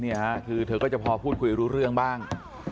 นี่ค่ะคือเธอก็จะพอพูดคุยรู้เรื่องบ้าง